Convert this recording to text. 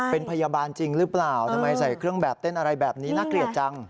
เป็นพยาบาลจริงหรือเปล่าทำไมใส่เครื่องแบบเต้นอะไรแบบนี้น่าเกลียดจัง